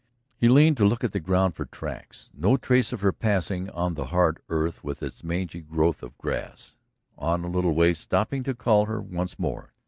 He leaned to look at the ground for tracks. No trace of her passing on the hard earth with its mangy growth of grass. On a little way, stopping to call her once more.